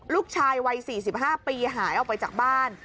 ลูกชายวัย๔๕ปีหายออกไปจากบ้าน